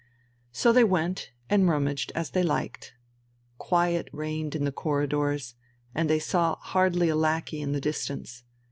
So they went and rummaged as they liked. Quiet reigned in the corridors, and they saw hardly a lackey in the distance.